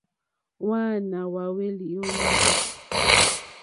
Hwáǎnà hwáhwélì ó ndáwò.